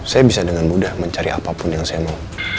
saya bisa dengan mudah mencari apapun yang saya mau